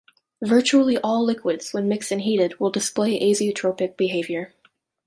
Virtually all liquids, when mixed and heated, will display azeotropic behaviour.